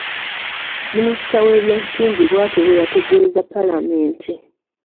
Minisita w’ebyensimbi bw'atyo bwe yategeeza Paalamenti.